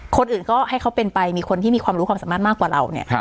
คนอื่นก็ให้เขาเป็นไปมีคนที่มีความรู้ความสามารถมากกว่าเราเนี่ย